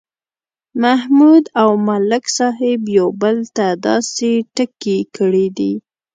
محمود او ملک صاحب یو بل ته داسې ټکي کړي دي